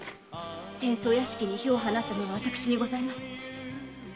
伝奏屋敷に火を放ったのは私にございます。